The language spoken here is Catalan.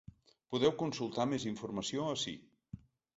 Podeu consultar més informació ací.